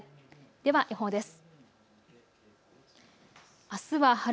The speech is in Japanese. では予報です。